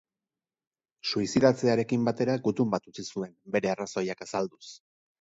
Suizidatzearekin batera, gutun bat utzi zuen bere arrazoiak azalduz.